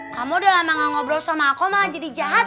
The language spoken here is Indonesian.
kamu udah lama gak ngobrol sama aku malah jadi jahat